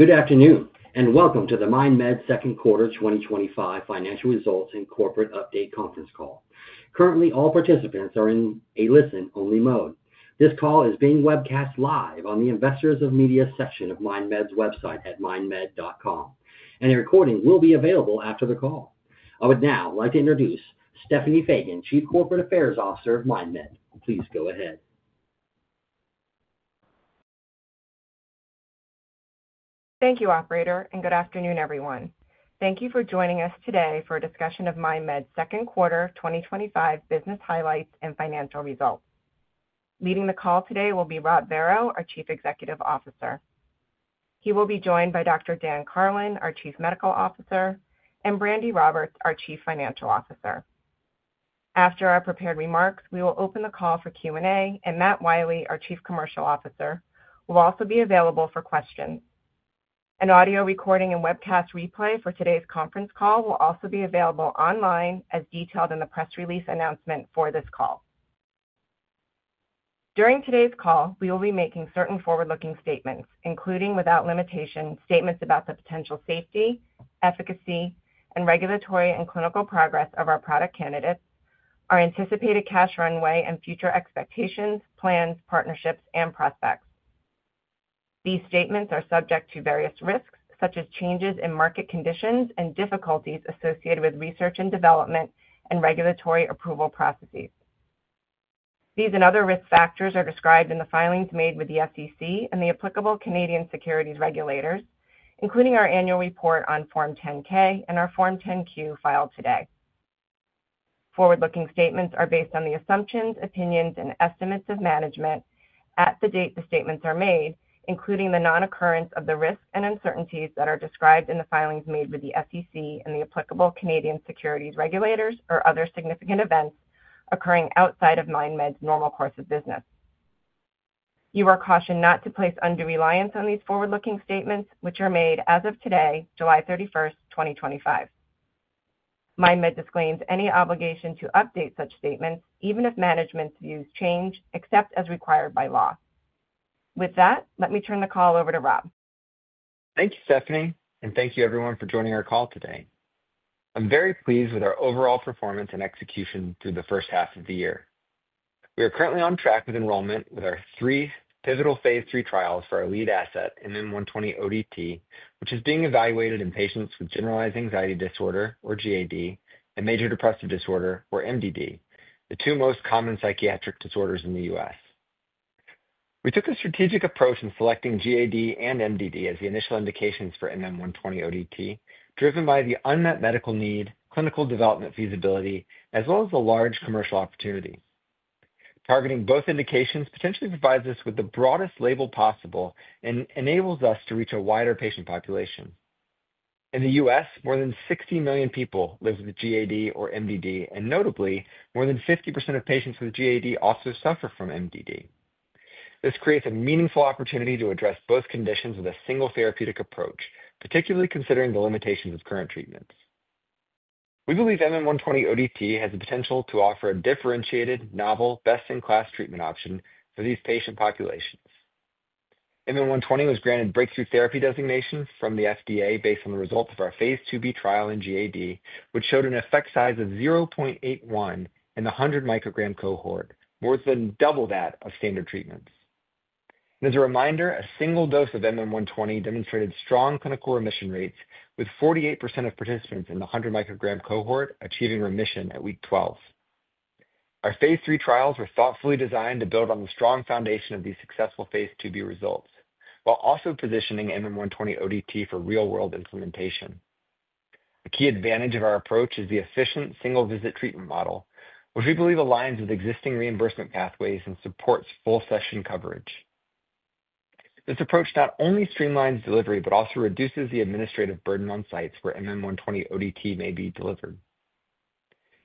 Good afternoon and welcome to the MindMed second quarter 2025 financial results and corporate update conference call. Currently, all participants are in a listen-only mode. This call is being webcast live on the investors and media section of MindMed's website at mindmed.co, and a recording will be available after the call. I would now like to introduce Stephanie Fagan, Chief Corporate Affairs Officer of MindMed. Please go ahead. Thank you, Operator, and good afternoon, everyone. Thank you for joining us today for a discussion of MindMed's second quarter 2025 business highlights and financial results. Leading the call today will be Rob Barrow, our Chief Executive Officer. He will be joined by Dr. Dan Karlin, our Chief Medical Officer, and Brandi Roberts, our Chief Financial Officer. After our prepared remarks, we will open the call for Q&A, and Matt Wiley, our Chief Commercial Officer, will also be available for questions. An audio recording and webcast replay for today's conference call will also be available online as detailed in the press release announcement for this call. During today's call, we will be making certain forward-looking statements, including without limitation statements about the potential safety, efficacy, and regulatory and clinical progress of our product candidates, our anticipated cash runway, and future expectations, plans, partnerships, and prospects. These statements are subject to various risks, such as changes in market conditions and difficulties associated with research and development and regulatory approval processes. These and other risk factors are described in the filings made with the SEC and the applicable Canadian securities regulators, including our annual report on Form 10-K and our Form 10-Q filed today. Forward-looking statements are based on the assumptions, opinions, and estimates of management at the date the statements are made, including the non-occurrence of the risk and uncertainties that are described in the filings made with the SEC and the applicable Canadian securities regulators or other significant events occurring outside of MindMed's normal course of business. You are cautioned not to place undue reliance on these forward-looking statements, which are made as of today, July 31st, 2025. MindMed disclaims any obligation to update such statements, even if management's views change, except as required by law. With that, let me turn the call over to Rob. Thank you, Stephanie, and thank you, everyone, for joining our call today. I'm very pleased with our overall performance and execution through the first half of the year. We are currently on track with enrollment with our three pivotal phase III trials for our lead asset, MM120 ODT, which is being evaluated in patients with generalized anxiety disorder, or GAD, and major depressive disorder, or MDD, the two most common psychiatric disorders in the U.S. We took a strategic approach in selecting GAD and MDD as the initial indications for MM120 ODT, driven by the unmet medical need, clinical development feasibility, as well as the large commercial opportunity. Targeting both indications potentially provides us with the broadest label possible and enables us to reach a wider patient population. In the U.S., more than 60 million people live with GAD or MDD, and notably, more than 50% of patients with GAD also suffer from MDD. This creates a meaningful opportunity to address both conditions with a single therapeutic approach, particularly considering the limitations of current treatments. We believe MM120 ODT has the potential to offer a differentiated, novel, best-in-class treatment option for these patient populations. MM120 was granted Breakthrough Therapy designation from the FDA based on the results of our phase II-B trial in GAD, which showed an effect size of 0.81 in the 100-µg cohort, more than double that of standard treatments. As a reminder, a single dose of MM120 demonstrated strong clinical remission rates with 48% of participants in the 100-µg cohort achieving remission at week 12. Our phase III trials were thoughtfully designed to build on the strong foundation of these successful phase II-B results, while also positioning MM120 ODT for real-world implementation. The key advantage of our approach is the efficient single-visit treatment model, which we believe aligns with existing reimbursement pathways and supports full session coverage. This approach not only streamlines delivery but also reduces the administrative burden on sites where MM120 ODT may be delivered.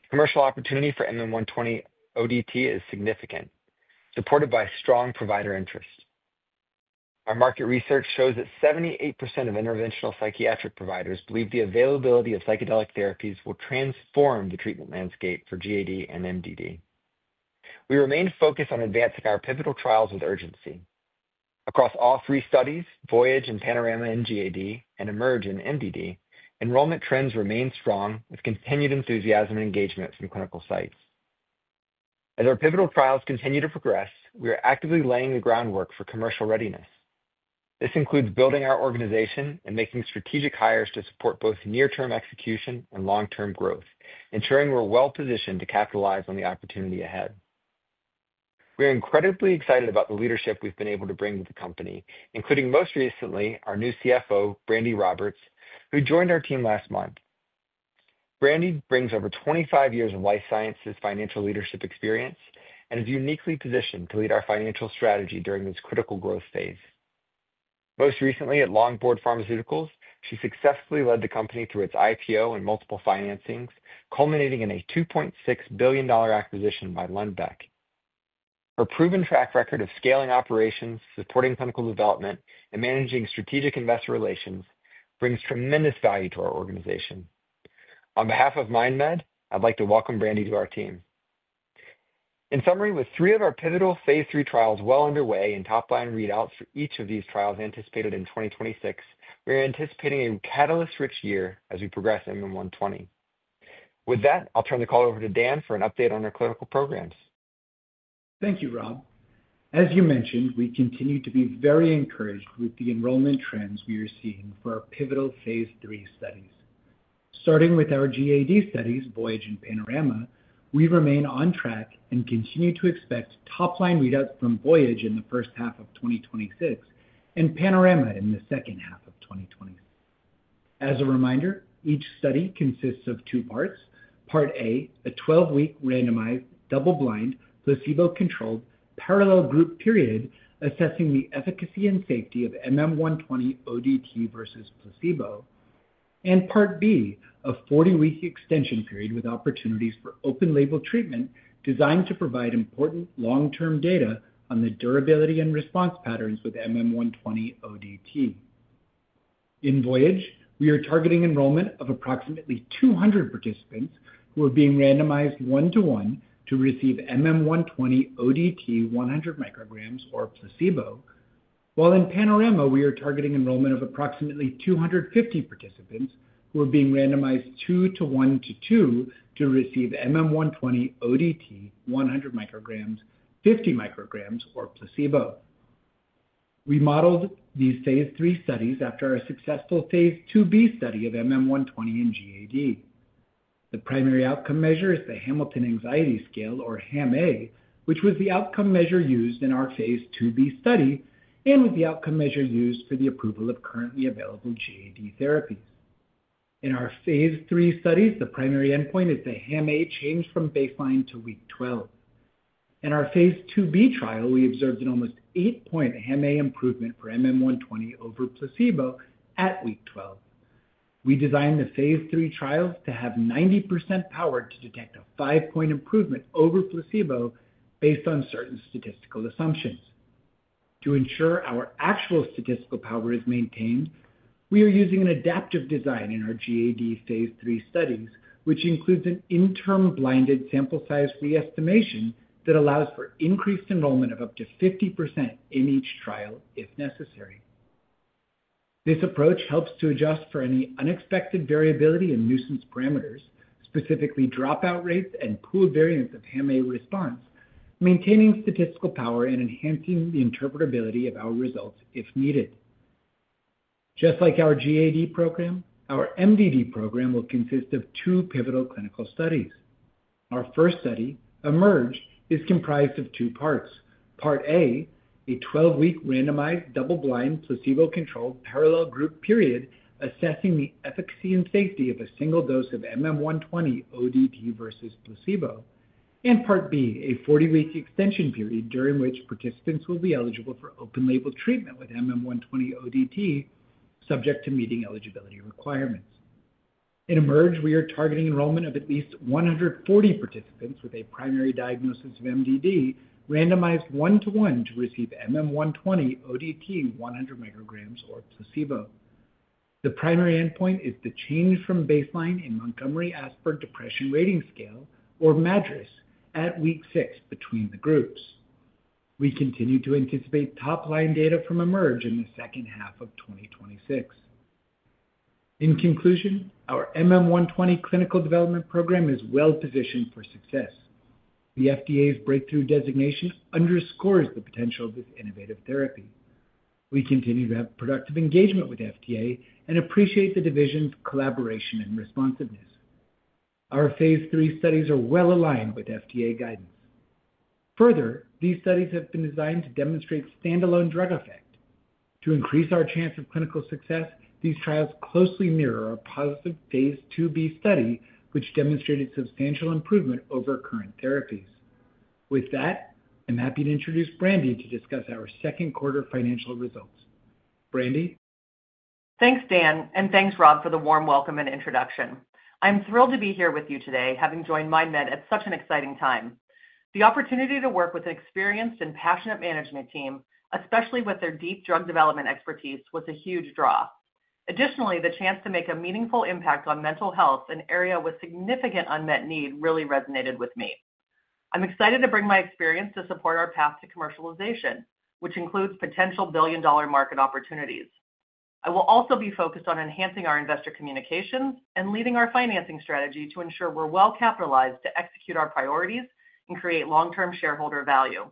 Commercial opportunity for MM120 ODT is significant, supported by strong provider interest. Our market research shows that 78% of interventional psychiatric providers believe the availability of psychedelic therapies will transform the treatment landscape for GAD and MDD. We remain focused on advancing our pivotal trials with urgency. Across all three studies, Voyage and Panorama in GAD and Emerge in MDD, enrollment trends remain strong with continued enthusiasm and engagement from clinical sites. As our pivotal trials continue to progress, we are actively laying the groundwork for commercial readiness. This includes building our organization and making strategic hires to support both near-term execution and long-term growth, ensuring we're well-positioned to capitalize on the opportunity ahead. We are incredibly excited about the leadership we've been able to bring to the company, including most recently our new CFO, Brandi Roberts, who joined our team last month. Brandi brings over 25 years of life sciences financial leadership experience and is uniquely positioned to lead our financial strategy during this critical growth phase. Most recently at Longboard Pharmaceuticals, she successfully led the company through its IPO and multiple financings, culminating in a $2.6 billion acquisition by Lundbeck. Her proven track record of scaling operations, supporting clinical development, and managing strategic investor relations brings tremendous value to our organization. On behalf of MindMed, I'd like to welcome Brandi to our team. In summary, with three of our pivotal phase III trials well underway and top-line readouts for each of these trials anticipated in 2026, we are anticipating a catalyst-rich year as we progress MM120. With that, I'll turn the call over to Dan for an update on our clinical programs. Thank you, Rob. As you mentioned, we continue to be very encouraged with the enrollment trends we are seeing for our pivotal phase III studies. Starting with our GAD studies, Voyage and Panorama, we remain on track and continue to expect top-line readouts from Voyage in the first half of 2026 and Panorama in the second half of 2026. As a reminder, each study consists of two parts: Part A, a 12-week randomized, double-blind, placebo-controlled parallel group period assessing the efficacy and safety of MM120 ODT versus placebo, and Part B, a 40-week extension period with opportunities for open-label treatment designed to provide important long-term data on the durability and response patterns with MM120 ODT. In Voyage, we are targeting enrollment of approximately 200 participants who are being randomized one-to-one to receive MM120 ODT 100 µg or placebo, while in Panorama, we are targeting enrollment of approximately 250 participants who are being randomized two to one to two to receive MM120 ODT 100 µg, 50 µg, or placebo. We modeled these phase III studies after our successful phase II-B study of MM120 in GAD. The primary outcome measure is the Hamilton Anxiety Scale, or HAM-A, which was the outcome measure used in our phase II-B study and was the outcome measure used for the approval of currently available GAD therapies. In our phase III studies, the primary endpoint is the HAM-A change from baseline to week 12. In our phase II-B trial, we observed an almost eight-point HAM-A improvement for MM120 over placebo at week 12. We designed the phase III trials to have 90% power to detect a five-point improvement over placebo based on certain statistical assumptions. To ensure our actual statistical power is maintained, we are using an adaptive design in our GAD phase III studies, which includes an interim blinded sample size re-estimation that allows for increased enrollment of up to 50% in each trial if necessary. This approach helps to adjust for any unexpected variability in nuisance parameters, specifically dropout rates and pool variance of HAM-A response, maintaining statistical power and enhancing the interpretability of our results if needed. Just like our GAD program, our MDD program will consist of two pivotal clinical studies. Our first study, Emerge, is comprised of two parts: Part A, a 12-week randomized, double-blind, placebo-controlled parallel group period assessing the efficacy and safety of a single dose of MM120 ODT versus placebo, and Part B, a 40-week extension period during which participants will be eligible for open-label treatment with MM120 ODT subject to meeting eligibility requirements. In Emerge, we are targeting enrollment of at least 140 participants with a primary diagnosis of MDD randomized one-to-one to receive MM120 ODT 100 µg or placebo. The primary endpoint is the change from baseline in Montgomery-Åsberg Depression Rating Scale, or MADRS, at week six between the groups. We continue to anticipate top-line data from Emerge in the second half of 2026. In conclusion, our MM120 clinical development program is well-positioned for success. The FDA's breakthrough therapy designation underscores the potential of this innovative therapy. We continue to have productive engagement with FDA and appreciate the division's collaboration and responsiveness. Our phase III studies are well aligned with FDA guidance. Further, these studies have been designed to demonstrate standalone drug effect. To increase our chance of clinical success, these trials closely mirror a positive phase II-B study, which demonstrated substantial improvement over current therapies. With that, I'm happy to introduce Brandi to discuss our second quarter financial results. Brandi. Thanks, Dan, and thanks, Rob, for the warm welcome and introduction. I'm thrilled to be here with you today, having joined MindMed at such an exciting time. The opportunity to work with an experienced and passionate management team, especially with their deep drug development expertise, was a huge draw. Additionally, the chance to make a meaningful impact on mental health, an area with significant unmet need, really resonated with me. I'm excited to bring my experience to support our path to commercialization, which includes potential billion-dollar market opportunities. I will also be focused on enhancing our investor communications and leading our financing strategy to ensure we're well-capitalized to execute our priorities and create long-term shareholder value.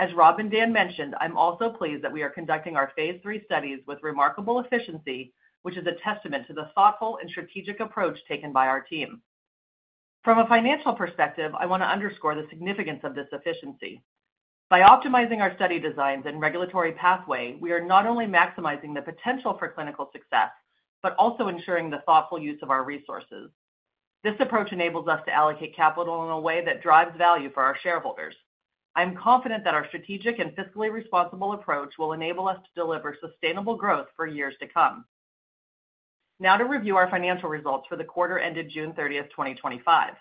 As Rob and Dan mentioned, I'm also pleased that we are conducting our phase III studies with remarkable efficiency, which is a testament to the thoughtful and strategic approach taken by our team. From a financial perspective, I want to underscore the significance of this efficiency. By optimizing our study designs and regulatory pathway, we are not only maximizing the potential for clinical success but also ensuring the thoughtful use of our resources. This approach enables us to allocate capital in a way that drives value for our shareholders. I'm confident that our strategic and fiscally responsible approach will enable us to deliver sustainable growth for years to come. Now to review our financial results for the quarter ended June 30th, 2025.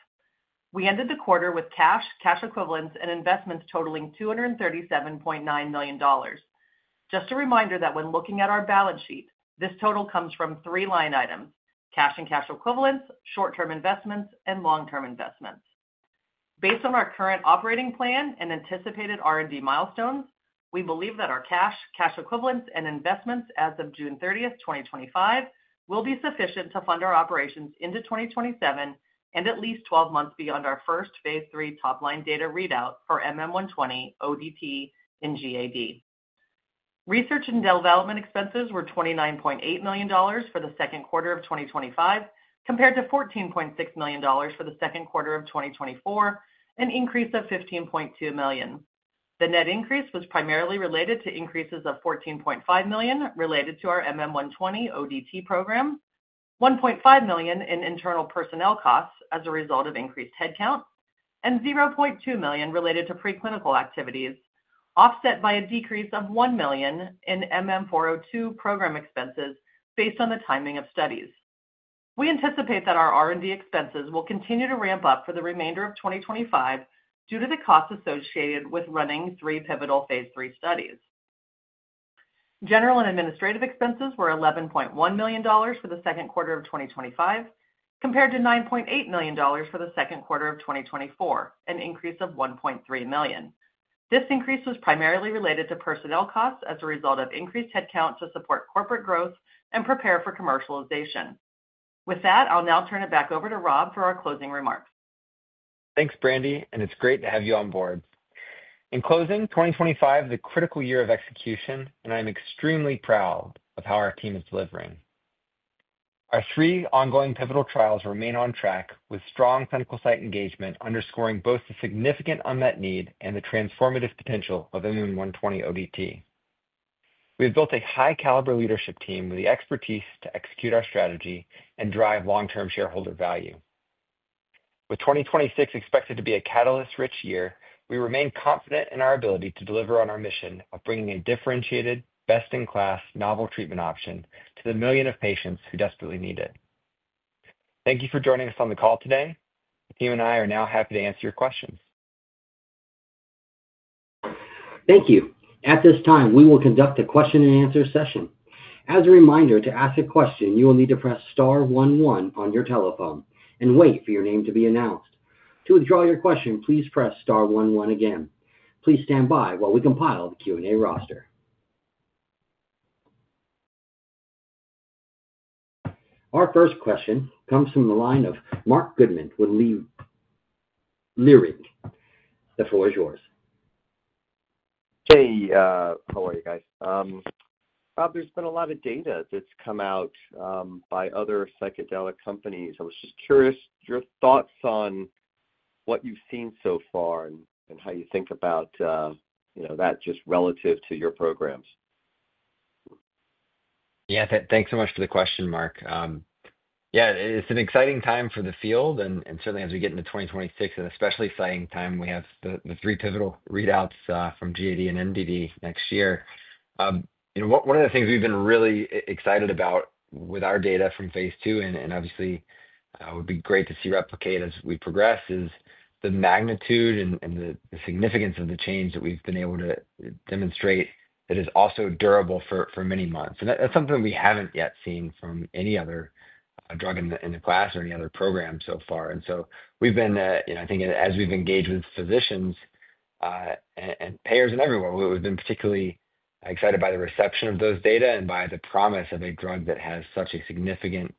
We ended the quarter with cash, cash equivalents, and investments totaling $237.9 million. Just a reminder that when looking at our balance sheet, this total comes from three line items: cash and cash equivalents, short-term investments, and long-term investments. Based on our current operating plan and anticipated R&D milestones, we believe that our cash, cash equivalents, and investments as of June 30th, 2025, will be sufficient to fund our operations into 2027 and at least 12 months beyond our first phase III top-line data readout for MM120 ODT in GAD. Research and development expenses were $29.8 million for the second quarter of 2025, compared to $14.6 million for the second quarter of 2024, an increase of $15.2 million. The net increase was primarily related to increases of $14.5 million related to our MM120 ODT program, $1.5 million in internal personnel costs as a result of increased headcount, and $0.2 million related to preclinical activities, offset by a decrease of $1 million in MM402 program expenses based on the timing of studies. We anticipate that our R&D expenses will continue to ramp up for the remainder of 2025 due to the costs associated with running three pivotal phase III studies. General and administrative expenses were $11.1 million for the second quarter of 2025, compared to $9.8 million for the second quarter of 2024, an increase of $1.3 million. This increase was primarily related to personnel costs as a result of increased headcount to support corporate growth and prepare for commercialization. With that, I'll now turn it back over to Rob for our closing remarks. Thanks, Brandi, and it's great to have you on board. In closing, 2025 is a critical year of execution, and I'm extremely proud of how our team is delivering. Our three ongoing pivotal trials remain on track with strong clinical site engagement, underscoring both the significant unmet need and the transformative potential of MM120 ODT. We've built a high-caliber leadership team with the expertise to execute our strategy and drive long-term shareholder value. With 2026 expected to be a catalyst-rich year, we remain confident in our ability to deliver on our mission of bringing a differentiated, best-in-class, novel treatment option to the millions of patients who desperately need it. Thank you for joining us on the call today. The team and I are now happy to answer your questions. Thank you. At this time, we will conduct a question-and-answer session. As a reminder, to ask a question, you will need to press star 11 on your telephone and wait for your name to be announced. To withdraw your question, please press star 11 again. Please stand by while we compile the Q&A roster. Our first question comes from the line of Marc Goodman with Leerink. The floor is yours. Hey, how are you guys? Rob, there's been a lot of data that's come out by other psychedelic companies. I was just curious your thoughts on what you've seen so far and how you think about that just relative to your programs. Yeah, thanks so much for the question, Marc. It's an exciting time for the field, and certainly as we get into 2026, an especially exciting time. We have the three pivotal readouts from GAD and MDD next year. One of the things we've been really excited about with our data from phase II, and obviously it would be great to see replicate as we progress, is the magnitude and the significance of the change that we've been able to demonstrate that is also durable for many months. That's something that we haven't yet seen from any other drug in the class or any other program so far. I think as we've engaged with physicians and payers and everyone, we've been particularly excited by the reception of those data and by the promise of a drug that has such a significant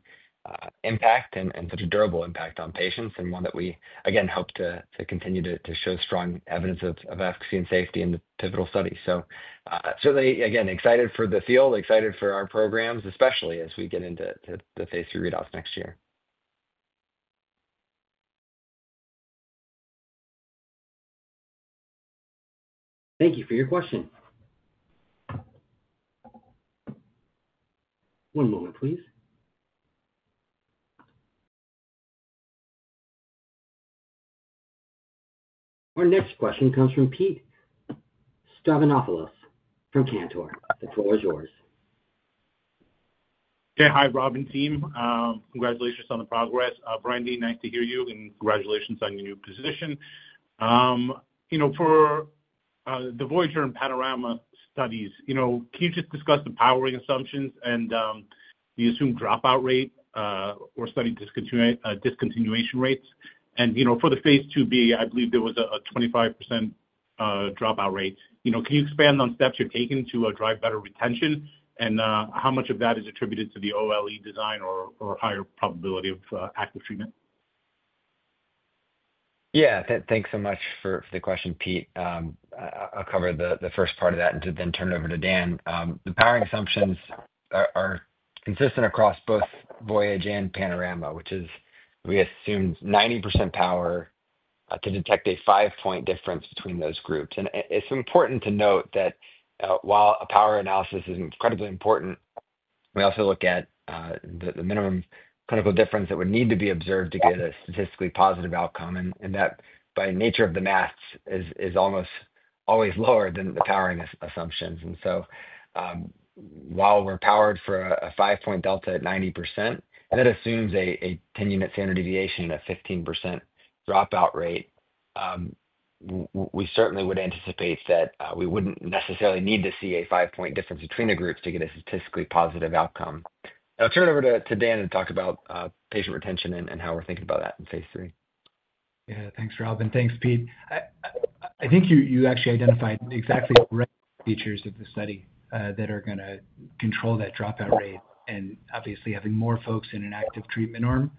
impact and such a durable impact on patients and one that we again hope to continue to show strong evidence of efficacy and safety in the pivotal study. Certainly, again, excited for the field, excited for our programs, especially as we get into the phase III readouts next year. Thank you for your question. One moment, please. Our next question comes from Pete Stavropoulos from Cantor. The floor is yours. Yeah, hi, Rob and team. Congratulations on the progress. Brandi, nice to hear you, and congratulations on your new position. For the Voyage and Panorama studies, can you just discuss the powering assumptions and the assumed dropout rate or study discontinuation rates? For the phase II-B, I believe there was a 25% dropout rate. Can you expand on steps you're taking to drive better retention and how much of that is attributed to the open-label extension design or higher probability of active treatment? Yeah, thanks so much for the question, Pete. I'll cover the first part of that and then turn it over to Dan. The powering assumptions are consistent across both Voyage and Panorama, which is we assumed 90% power to detect a five-point difference between those groups. It's important to note that while a power analysis is incredibly important, we also look at the minimum clinical difference that would need to be observed to get a statistically positive outcome. That, by nature of the maths, is almost always lower than the powering assumptions. While we're powered for a five-point delta at 90%, and that assumes a 10-unit standard deviation and a 15% dropout rate, we certainly would anticipate that we wouldn't necessarily need to see a five-point difference between the groups to get a statistically positive outcome. I'll turn it over to Dan to talk about patient retention and how we're thinking about that in phase III. Yeah, thanks, Rob, and thanks, Pete. I think you actually identified exactly the features of the study that are going to control that dropout rate. Obviously, having more folks in an active treatment arm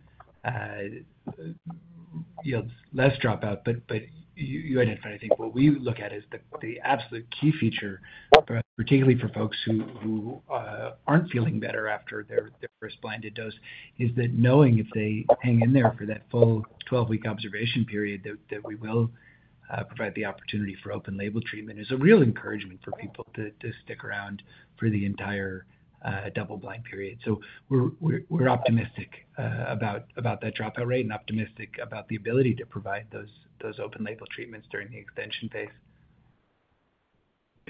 yields less dropout. You identified, I think, what we look at as the absolute key feature, particularly for folks who aren't feeling better after their first blinded dose, is that knowing if they hang in there for that full 12-week observation period that we will provide the opportunity for open-label treatment is a real encouragement for people to stick around for the entire double-blind period. We're optimistic about that dropout rate and optimistic about the ability to provide those open-label treatments during the extension phase.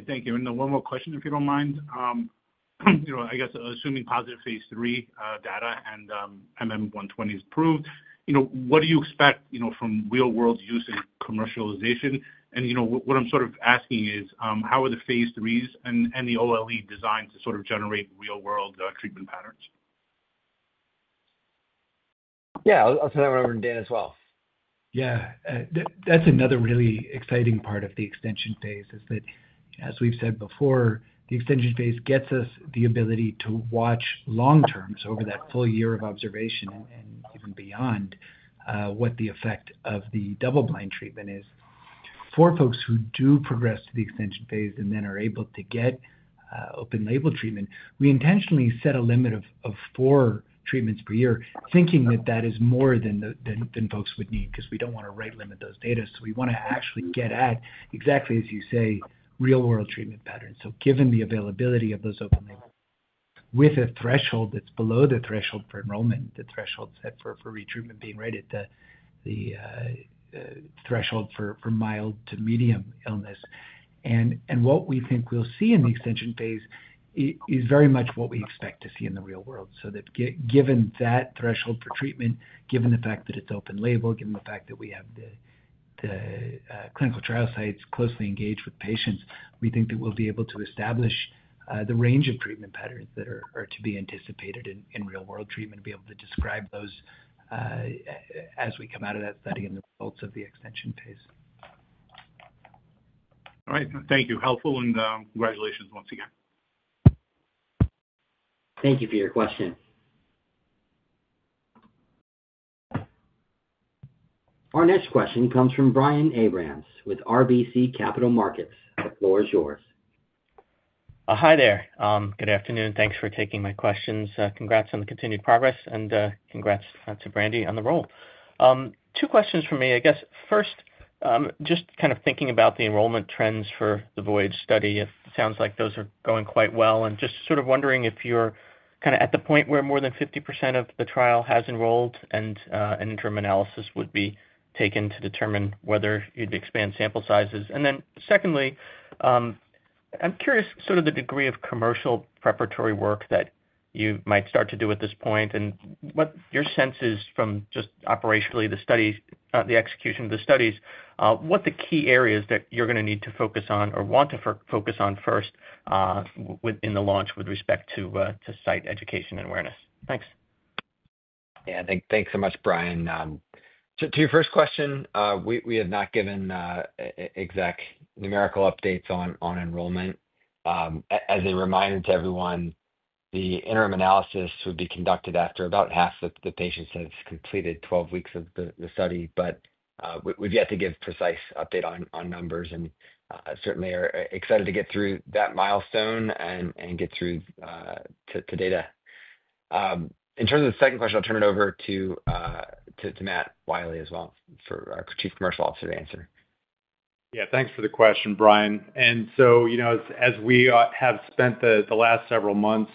Thank you. One more question, if you don't mind. I guess assuming positive phase III data and MM120 is approved, what do you expect from real-world use and commercialization? What I'm sort of asking is how are the phase IIIs and the OLE designed to generate real-world treatment patterns? Yeah, I'll turn that one over to Dan as well. Yeah, that's another really exciting part of the extension phase, is that, as we've said before, the extension phase gets us the ability to watch long-term, over that full year of observation and even beyond, what the effect of the double-blind treatment is. For folks who do progress to the extension phase and then are able to get open-label treatment, we intentionally set a limit of four treatments per year, thinking that that is more than folks would need because we don't want to limit those data. We want to actually get at, exactly as you say, real-world treatment patterns. Given the availability of those open-label treatments, with a threshold that's below the threshold for enrollment, the threshold set for retreatment being right at the threshold for mild to medium illness. What we think we'll see in the extension phase is very much what we expect to see in the real world. Given that threshold for treatment, given the fact that it's open-label, given the fact that we have the clinical trial sites closely engaged with patients, we think that we'll be able to establish the range of treatment patterns that are to be anticipated in real-world treatment and be able to describe those as we come out of that study and the results of the extension phase. All right, thank you. Helpful and congratulations once again. Thank you for your question. Our next question comes from Brian Abrams with RBC Capital Markets. The floor is yours. Hi there. Good afternoon. Thanks for taking my questions. Congrats on the continued progress and congrats to Brandi on the role. Two questions from me, I guess. First, just kind of thinking about the enrollment trends for the Voyage study. It sounds like those are going quite well. I'm just sort of wondering if you're at the point where more than 50% of the trial has enrolled and an interim analysis would be taken to determine whether you'd expand sample sizes. Secondly, I'm curious about the degree of commercial preparatory work that you might start to do at this point and what your sense is from just operationally the study, the execution of the studies, what the key areas are that you're going to need to focus on or want to focus on first in the launch with respect to site education and awareness. Thanks. Yeah, thanks so much, Brian. To your first question, we have not given exact numerical updates on enrollment. As a reminder to everyone, the interim analysis would be conducted after about half of the patients have completed 12 weeks of the study. We've yet to give a precise update on numbers and certainly are excited to get through that milestone and get through to data. In terms of the second question, I'll turn it over to Matt Wiley as well for our Chief Commercial Officer to answer. Yeah, thanks for the question, Brian. As we have spent the last several months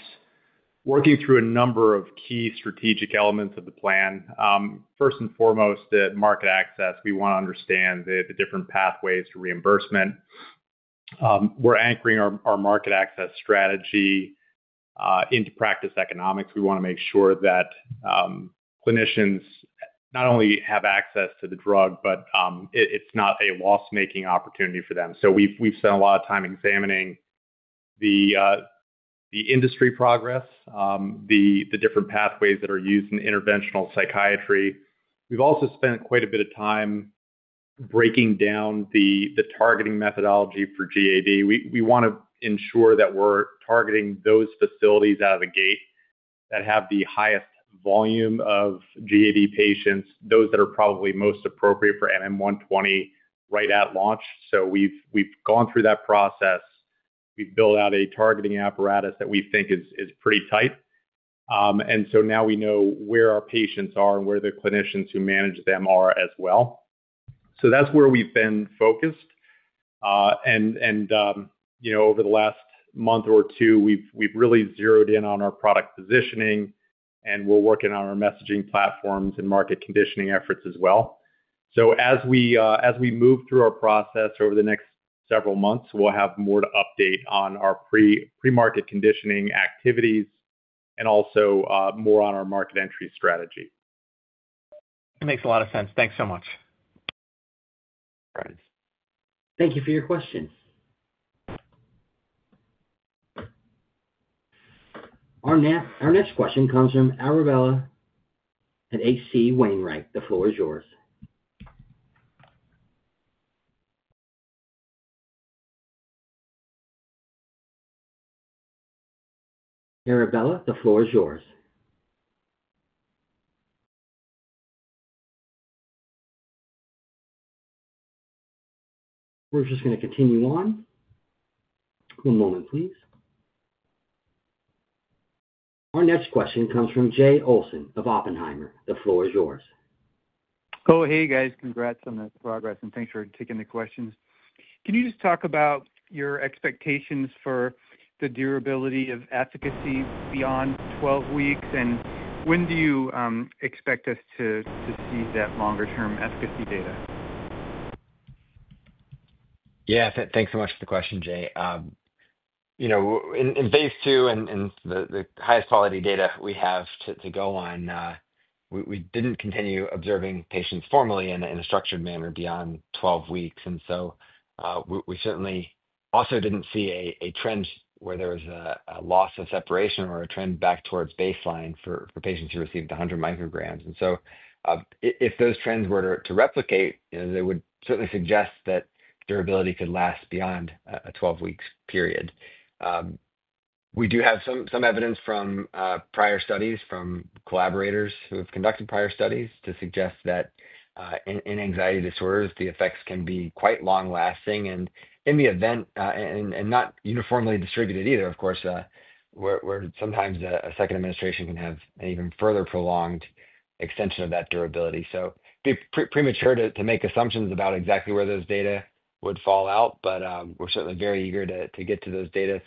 working through a number of key strategic elements of the plan, first and foremost, the market access. We want to understand the different pathways to reimbursement. We're anchoring our market access strategy into practice economics. We want to make sure that clinicians not only have access to the drug, but it's not a loss-making opportunity for them. We have spent a lot of time examining the industry progress, the different pathways that are used in interventional psychiatry. We've also spent quite a bit of time breaking down the targeting methodology for GAD. We want to ensure that we're targeting those facilities out of the gate that have the highest volume of GAD patients, those that are probably most appropriate for MM120 right at launch. We have gone through that process. We've built out a targeting apparatus that we think is pretty tight. Now we know where our patients are and where the clinicians who manage them are as well. That's where we've been focused. Over the last month or two, we've really zeroed in on our product positioning, and we're working on our messaging platforms and market conditioning efforts as well. As we move through our process over the next several months, we'll have more to update on our pre-market conditioning activities and also more on our market entry strategy. It makes a lot of sense. Thanks so much. Thanks. Thank you for your question. Our next question comes from Arabella at H.C. Wainwright. The floor is yours. Arabella, the floor is yours. We're just going to continue on. One moment, please. Our next question comes from Jay Olson of Oppenheimer. The floor is yours. Oh, hey, guys. Congrats on the progress and thanks for taking the questions. Can you just talk about your expectations for the durability of efficacy beyond 12 weeks, and when do you expect us to see that longer-term efficacy data? Yeah, thanks so much for the question, Jay. You know, in phase II, and the highest quality data we have to go on, we didn't continue observing patients formally in a structured manner beyond 12 weeks. We certainly also didn't see a trend where there was a loss of separation or a trend back towards baseline for patients who received 100 µg. If those trends were to replicate, they would certainly suggest that durability could last beyond a 12-week period. We do have some evidence from prior studies, from collaborators who have conducted prior studies to suggest that in anxiety disorders, the effects can be quite long-lasting. In the event, and not uniformly distributed either, of course, where sometimes a second administration can have an even further prolonged extension of that durability. It'd be premature to make assumptions about exactly where those data would fall out, but we're certainly very eager to get to those data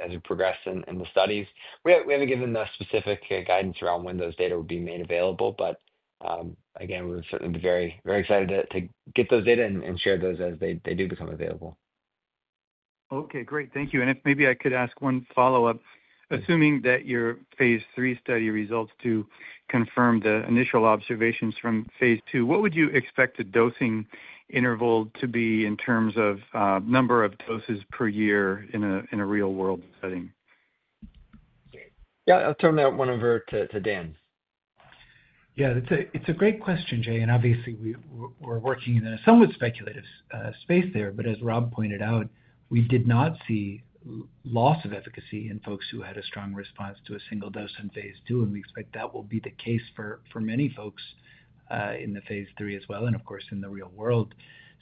as we progress in the studies. We haven't given the specific guidance around when those data would be made available, but again, we would certainly be very, very excited to get those data and share those as they do become available. Okay, great. Thank you. If maybe I could ask one follow-up. Assuming that your phase III study results confirm the initial observations from phase II, what would you expect the dosing interval to be in terms of number of doses per year in a real-world setting? Yeah, I'll turn that one over to Dan. Yeah, it's a great question, Jay. Obviously, we're working in a somewhat speculative space there. As Rob pointed out, we did not see loss of efficacy in folks who had a strong response to a single dose in phase II. We expect that will be the case for many folks in the phase III as well, and of course, in the real world.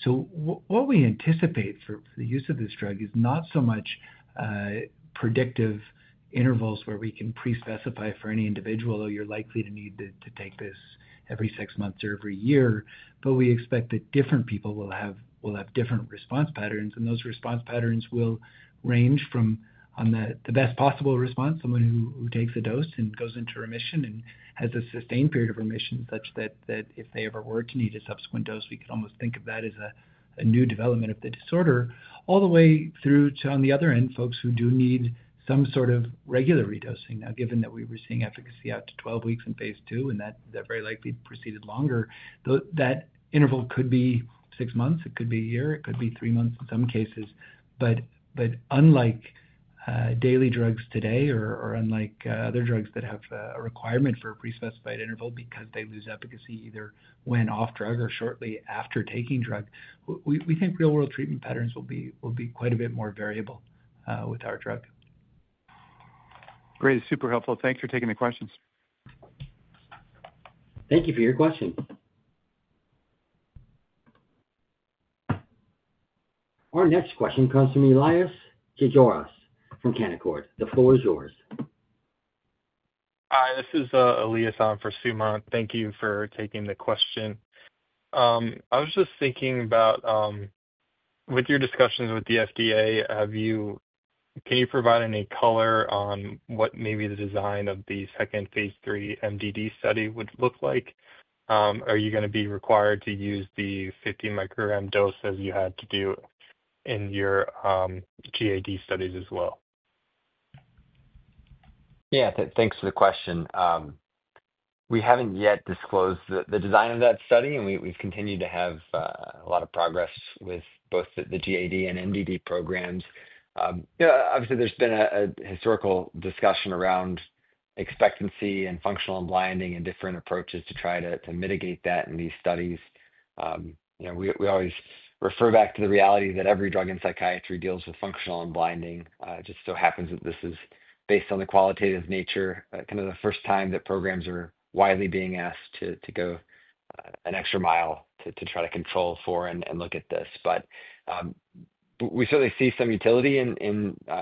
What we anticipate for the use of this drug is not so much predictive intervals where we can pre-specify for any individual, though you're likely to need to take this every six months or every year. We expect that different people will have different response patterns. Those response patterns will range from the best possible response, someone who takes the dose and goes into remission and has a sustained period of remission such that if they ever were to need a subsequent dose, we could almost think of that as a new development of the disorder, all the way through to, on the other end, folks who do need some sort of regular re-dosing. Given that we were seeing efficacy out to 12 weeks in phase II and that very likely proceeded longer, that interval could be six months. It could be a year. It could be three months in some cases. Unlike daily drugs today or unlike other drugs that have a requirement for a pre-specified interval because they lose efficacy either when off drug or shortly after taking drug, we think real-world treatment patterns will be quite a bit more variable with our drug. Great. Super helpful. Thanks for taking the questions. Thank you for your question. Our next question comes from Elias Georgas from Canaccord. The floor is yours. Hi, this is Elias for Sumant. Thank you for taking the question. I was just thinking about, with your discussions with the FDA, can you provide any color on what maybe the design of the second phase III MDD study would look like? Are you going to be required to use the 50 µg dose as you had to do in your GAD studies as well? Yeah, thanks for the question. We haven't yet disclosed the design of that study, and we've continued to have a lot of progress with both the GAD and MDD programs. Obviously, there's been a historical discussion around expectancy and functional unblinding and different approaches to try to mitigate that in these studies. We always refer back to the reality that every drug in psychiatry deals with functional unblinding. It just so happens that this is based on the qualitative nature, kind of the first time that programs are widely being asked to go an extra mile to try to control for and look at this. We certainly see some utility in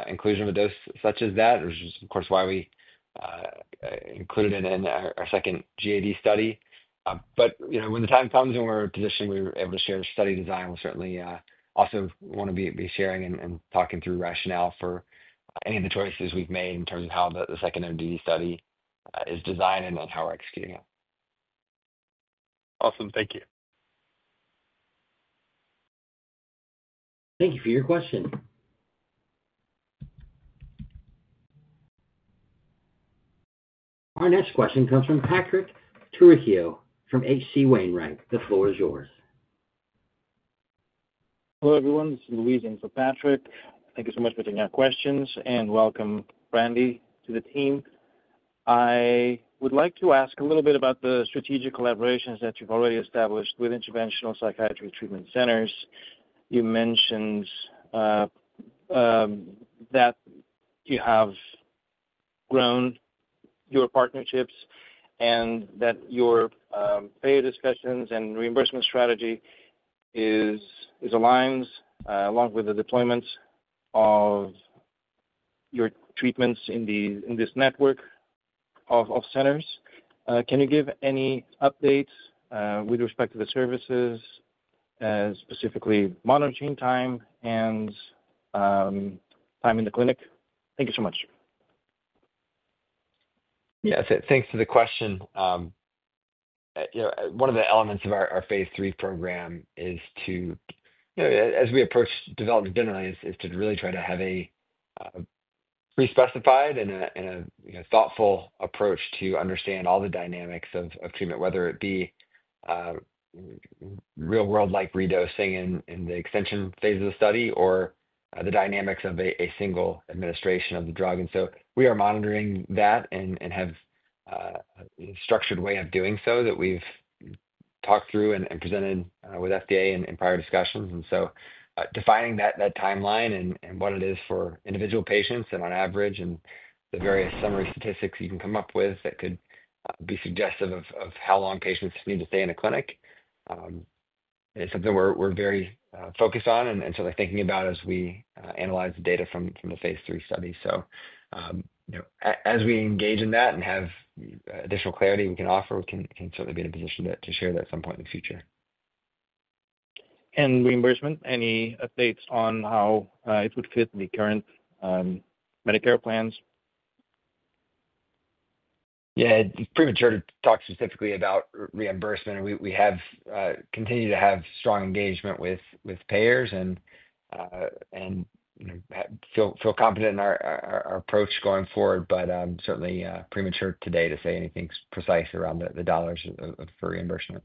inclusion of a dose such as that, which is, of course, why we included it in our second GAD study. When the time comes and we're in a position where we're able to share study design, we'll certainly also want to be sharing and talking through rationale for any of the choices we've made in terms of how the second MDD study is designed and how we're executing it. Awesome. Thank you. Thank you for your question. Our next question comes from Patrick Trucchio from H.C. Wainwright. The floor is yours. Hello, everyone. This is Luis in for Patrick. Thank you so much for taking our questions and welcome, Brandi, to the team. I would like to ask a little bit about the strategic collaborations that you've already established with interventional psychiatry treatment centers. You mentioned that you have grown your partnerships and that your payer discussions and reimbursement strategy align along with the deployments of your treatments in this network of centers. Can you give any updates with respect to the services, specifically monitoring time and time in the clinic? Thank you so much. Yeah, thanks for the question. One of the elements of our phase III program is to, you know, as we approach development generally, is to really try to have a pre-specified and a thoughtful approach to understand all the dynamics of treatment, whether it be real-world-like re-dosing in the extension phase of the study or the dynamics of a single administration of the drug. We are monitoring that and have a structured way of doing so that we've talked through and presented with the FDA in prior discussions. Defining that timeline and what it is for individual patients and on average and the various summary statistics you can come up with that could be suggestive of how long patients need to stay in a clinic is something we're very focused on and certainly thinking about as we analyze the data from the phase III study. As we engage in that and have additional clarity we can offer, we can certainly be in a position to share that at some point in the future. Are there any updates on how reimbursement would fit the current Medicare plans? Yeah, it's premature to talk specifically about reimbursement. We have continued to have strong engagement with payers and feel confident in our approach going forward, but it's certainly premature today to say anything precise around the dollars for reimbursement.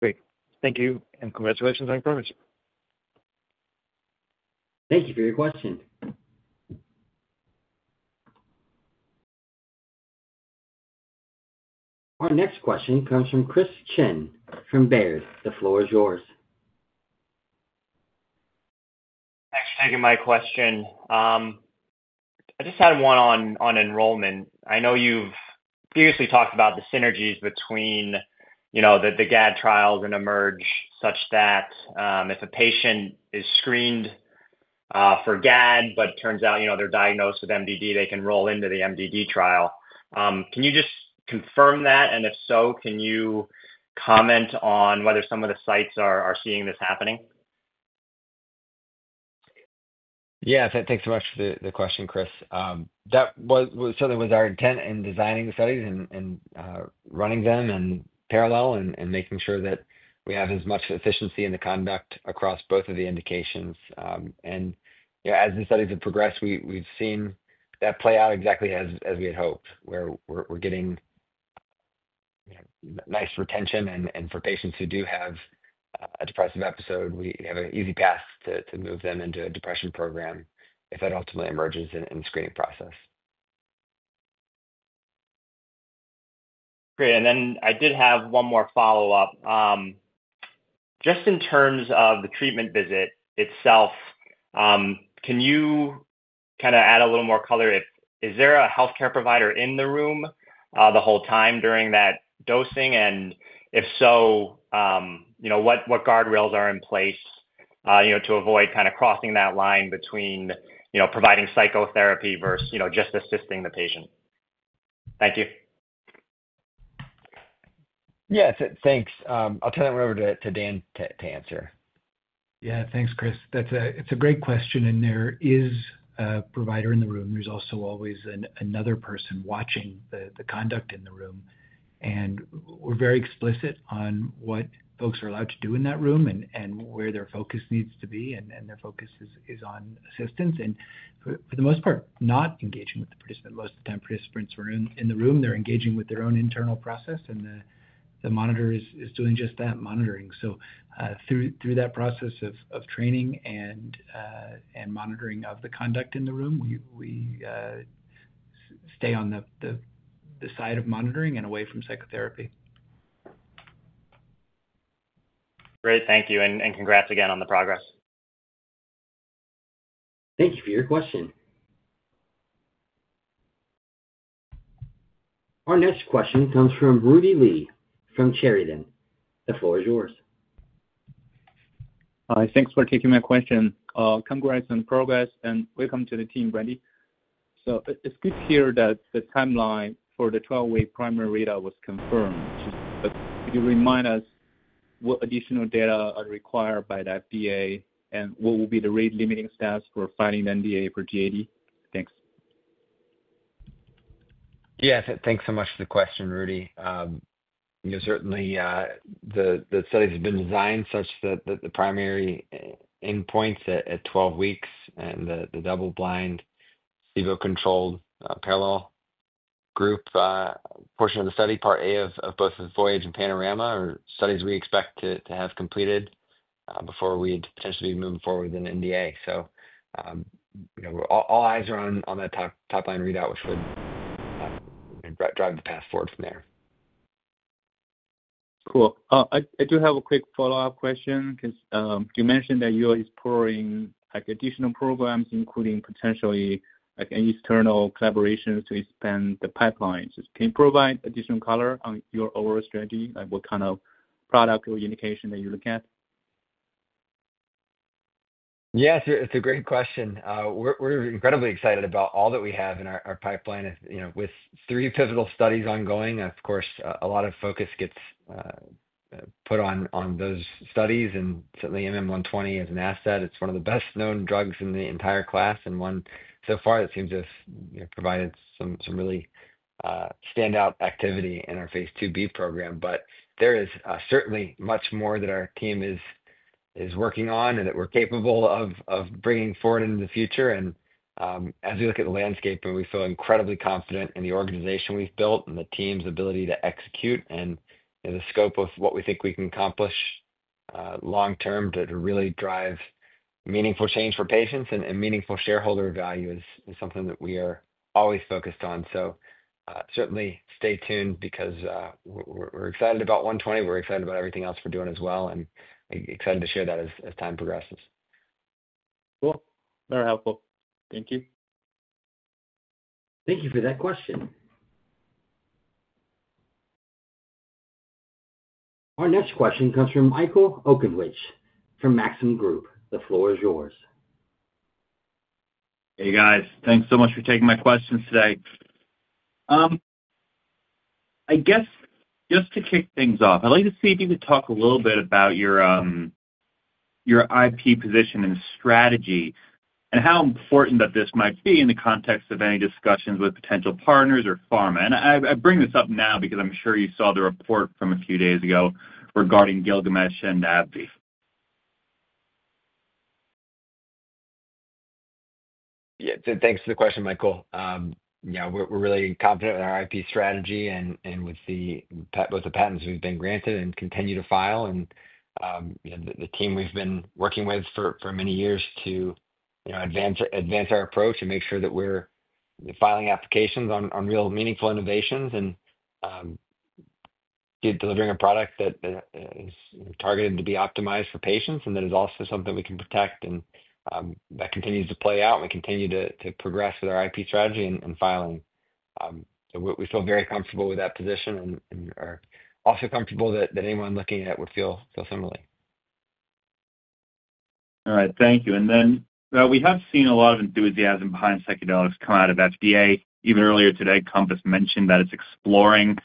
Great. Thank you and congratulations on your partnership. Thank you for your question. Our next question comes from Chris Chen from Baird. The floor is yours. Thanks for taking my question. I just had one on enrollment. I know you've previously talked about the synergies between, you know, the GAD trials and Emerge such that if a patient is screened for GAD but turns out, you know, they're diagnosed with MDD, they can roll into the MDD trial. Can you just confirm that? If so, can you comment on whether some of the sites are seeing this happening? Yeah, thanks so much for the question, Chris. That certainly was our intent in designing the studies and running them in parallel and making sure that we have as much efficiency in the conduct across both of the indications. As these studies have progressed, we've seen that play out exactly as we had hoped, where we're getting nice retention. For patients who do have a depressive episode, we have an easy path to move them into a depression program if that ultimately emerges in the screening process. Great. I did have one more follow-up. Just in terms of the treatment visit itself, can you kind of add a little more color? Is there a healthcare provider in the room the whole time during that dosing? If so, what guardrails are in place to avoid kind of crossing that line between providing psychotherapy versus just assisting the patient? Thank you. Yeah, thanks. I'll turn it over to Dan to answer. Yeah, thanks, Chris. It's a great question. There is a provider in the room. There's also always another person watching the conduct in the room. We're very explicit on what folks are allowed to do in that room and where their focus needs to be. Their focus is on assistance and, for the most part, not engaging with the participant. Most of the time, participants are in the room. They're engaging with their own internal process, and the monitor is doing just that, monitoring. Through that process of training and monitoring of the conduct in the room, we stay on the side of monitoring and away from psychotherapy. Great. Thank you, and congrats again on the progress. Thank you for your question. Our next question comes from Rudy Li from Chardan. The floor is yours. Hi, thanks for taking my question. Congrats on progress and welcome to the team, Brandi. It's good to hear that the timeline for the 12-week primary readout was confirmed. Could you remind us what additional data are required by the FDA and what will be the rate-limiting stats for filing the NDA for GAD? Thanks. Yeah, thanks so much for the question, Rudy. Certainly, the studies have been designed such that the primary endpoints at 12 weeks and the double-blind, pseudo controlled parallel group portion of the study, Part A of both Voyage and Panorama, are studies we expect to have completed before we'd potentially be moving forward with an NDA. All eyes are on that top-line readout, which would drive the path forward from there. I do have a quick follow-up question because you mentioned that you're exploring additional programs, including potentially any external collaborations to expand the pipelines. Can you provide additional color on your overall strategy, like what kind of product or indication that you look at? Yeah, it's a great question. We're incredibly excited about all that we have in our pipeline, you know, with three pivotal studies ongoing. Of course, a lot of focus gets put on those studies. Certainly, MM120 is an asset. It's one of the best-known drugs in the entire class and one so far that seems to have provided some really standout activity in our phase II-B program. There is certainly much more that our team is working on and that we're capable of bringing forward into the future. As we look at the landscape, we feel incredibly confident in the organization we've built and the team's ability to execute, and the scope of what we think we can accomplish long-term to really drive meaningful change for patients and meaningful shareholder value is something that we are always focused on. Certainly stay tuned because we're excited about MM120. We're excited about everything else we're doing as well and excited to share that as time progresses. Cool. Very helpful. Thank you. Thank you for that question. Our next question comes from Michael Okunewitch from Maxim Group. The floor is yours. Hey, guys. Thanks so much for taking my questions today. I guess just to kick things off, I'd like to see if you could talk a little bit about your IP position and strategy and how important that this might be in the context of any discussions with potential partners or pharma. I bring this up now because I'm sure you saw the report from a few days ago regarding Gilgamesh and AbbVie. Yeah, thanks for the question, Michael. We're really confident in our IP strategy and with the patents we've been granted and continue to file. The team we've been working with for many years advances our approach and makes sure that we're filing applications on real meaningful innovations and delivering a product that is targeted to be optimized for patients and that is also something we can protect. That continues to play out and we continue to progress with our IP strategy and filing. We feel very comfortable with that position and are also comfortable that anyone looking at it would feel similarly. All right. Thank you. We have seen a lot of enthusiasm behind psychedelics come out of the FDA. Even earlier today, Compass mentioned that it's exploring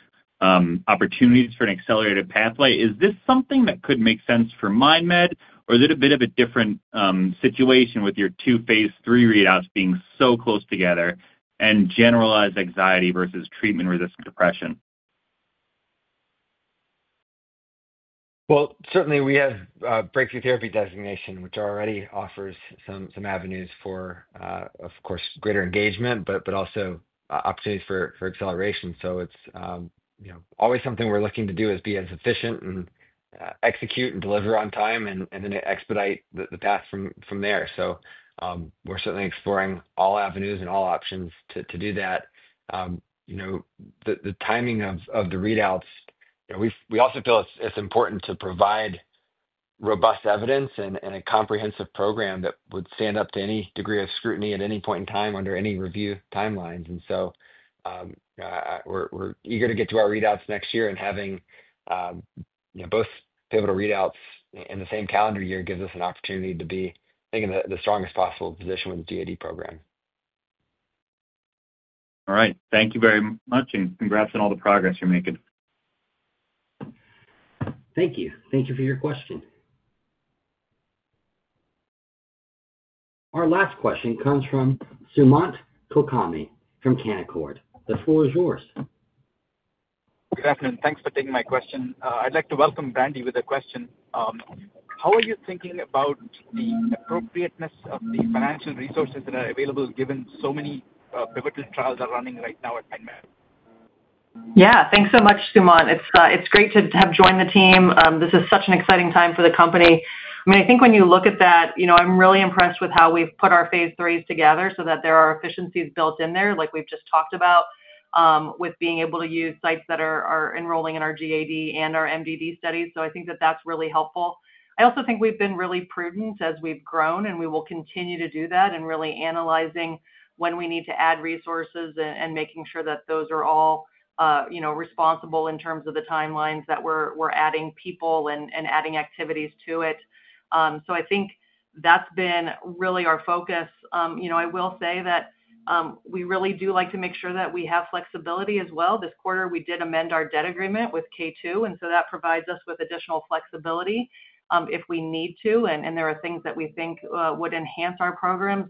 opportunities for an accelerated pathway. Is this something that could make sense for MindMed, or is it a bit of a different situation with your two phase III readouts being so close together and generalized anxiety versus treatment-resistant depression? We have breakthrough therapy designation, which already offers some avenues for, of course, greater engagement, but also opportunities for acceleration. It's always something we're looking to do is be as efficient and execute and deliver on time and then expedite the path from there. We're certainly exploring all avenues and all options to do that. The timing of the readouts, we also feel it's important to provide robust evidence and a comprehensive program that would stand up to any degree of scrutiny at any point in time under any review timelines. We're eager to get to our readouts next year. Having both pivotal readouts in the same calendar year gives us an opportunity to be, I think, in the strongest possible position with the GAD program. All right. Thank you very much, and congrats on all the progress you're making. Thank you. Thank you for your question. Our last question comes from Sumant Kulkarni from Canaccord. The floor is yours. Good afternoon. Thanks for taking my question. I'd like to welcome Brandi with a question. How are you thinking about the appropriateness of the financial resources that are available given so many pivotal trials are running right now at MindMed? Yeah, thanks so much, Sumant. It's great to have joined the team. This is such an exciting time for the company. I think when you look at that, I'm really impressed with how we've put our phase IIIs together so that there are efficiencies built in there, like we've just talked about, with being able to use sites that are enrolling in our GAD and our MDD studies. I think that that's really helpful. I also think we've been really prudent as we've grown, and we will continue to do that and really analyzing when we need to add resources and making sure that those are all responsible in terms of the timelines that we're adding people and adding activities to it. I think that's been really our focus. I will say that we really do like to make sure that we have flexibility as well. This quarter, we did amend our debt agreement with K2, and that provides us with additional flexibility if we need to. There are things that we think would enhance our programs.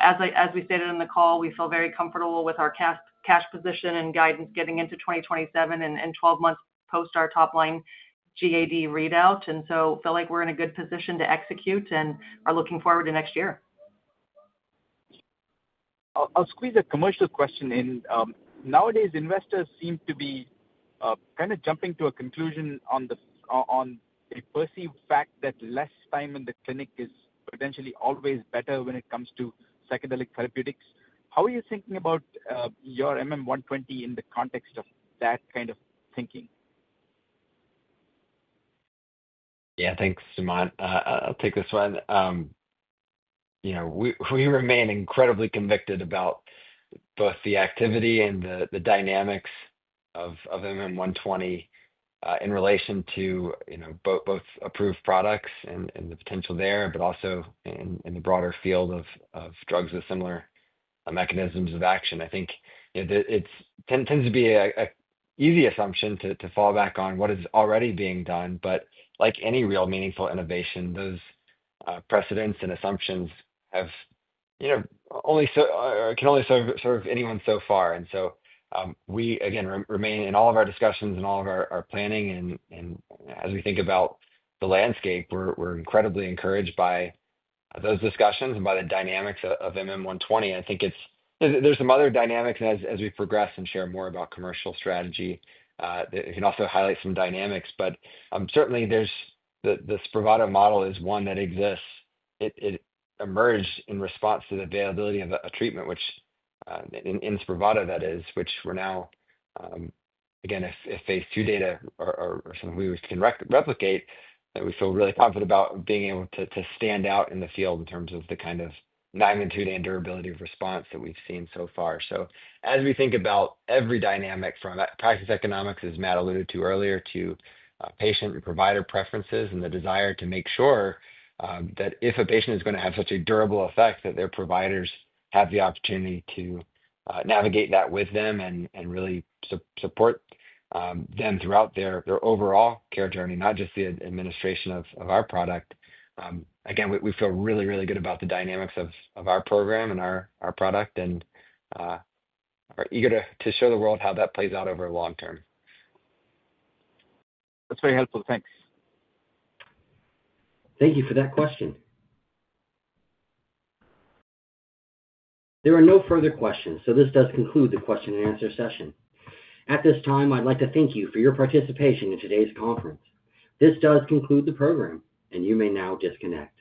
As we stated in the call, we feel very comfortable with our cash position and guidance getting into 2027 and 12 months post our top-line GAD readout. I feel like we're in a good position to execute and are looking forward to next year. I'll squeeze a commercial question in. Nowadays, investors seem to be kind of jumping to a conclusion on the perceived fact that less time in the clinic is potentially always better when it comes to psychedelic therapeutics. How are you thinking about your MM120 in the context of that kind of thinking? Yeah, thanks, Sumant. I'll take this one. We remain incredibly convicted about both the activity and the dynamics of MM120 in relation to both approved products and the potential there, but also in the broader field of drugs with similar mechanisms of action. I think it tends to be an easy assumption to fall back on what is already being done. Like any real meaningful innovation, those precedents and assumptions can only serve anyone so far. We, again, remain in all of our discussions and all of our planning. As we think about the landscape, we're incredibly encouraged by those discussions and by the dynamics of MM120. I think there's some other dynamics as we progress and share more about commercial strategy that can also highlight some dynamics. Certainly, the SPRAVATO model is one that exists. It emerged in response to the availability of a treatment, which in SPRAVATO, that is, which we're now, again, if phase II data are something we can replicate, we feel really confident about being able to stand out in the field in terms of the kind of magnitude and durability of response that we've seen so far. As we think about every dynamic from practice economics, as Matt alluded to earlier, to patient and provider preferences and the desire to make sure that if a patient is going to have such a durable effect, that their providers have the opportunity to navigate that with them and really support them throughout their overall care journey, not just the administration of our product. We feel really, really good about the dynamics of our program and our product and are eager to show the world how that plays out over the long term. That's very helpful. Thanks. Thank you for that question. There are no further questions, so this does conclude the question and answer session. At this time, I'd like to thank you for your participation in today's conference. This does conclude the program, and you may now disconnect.